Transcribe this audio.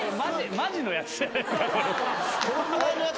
「マジのやつ！」